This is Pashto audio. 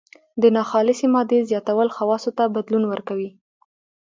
د ناخالصې مادې زیاتول خواصو ته بدلون ورکوي.